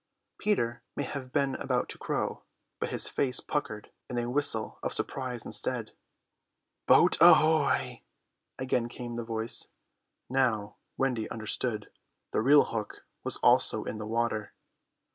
Peter may have been about to crow, but his face puckered in a whistle of surprise instead. "Boat ahoy!" again came the voice. Now Wendy understood. The real Hook was also in the water.